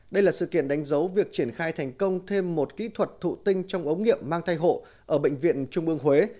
đây là sự kiện đánh dấu việc triển khai thành công thêm một kỹ thuật thụ tinh trong ống nghiệm mang thai hộ ở bệnh viện trung ương huế